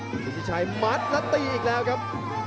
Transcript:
สิทธิชัยมัดแล้วตีอีกแล้วครับ